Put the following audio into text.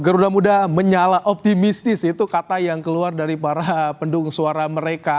garuda muda menyala optimistis itu kata yang keluar dari para pendung suara mereka